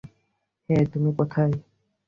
হেই তুমি কোথায়?